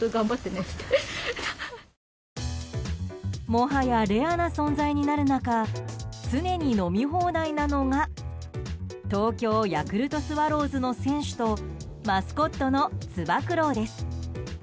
もはやレアな存在になる中常に飲み放題なのが東京ヤクルトスワローズの選手とマスコットの、つば九郎です。